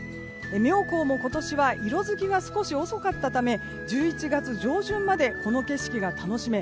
妙高も今年は色づきが少し遅かったため１１月上旬までこの景色が楽しめ